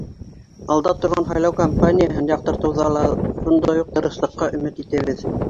Алда торған һайлау кампанияһын яҡтыртыуҙа ла шундай уҡ тырышлыҡҡа өмөт итәбеҙ.